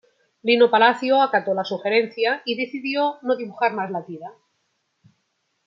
Lino Palacio acató la sugerencia y decidió no dibujar más la tira.